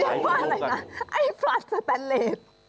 คุณพูดว่าอะไรนะไอ้ฟรัสสแตนเลส